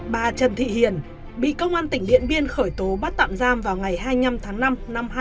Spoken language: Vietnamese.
bà trần thị hiền bị công an tỉnh điện biên khởi tố bắt tạm giam vào ngày hai mươi năm tháng năm năm hai nghìn hai mươi ba